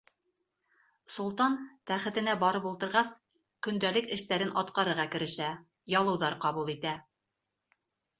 Солтан, тәхетенә барып ултырғас, көндәлек эштәрен атҡарырға керешә, ялыуҙар ҡабул итә.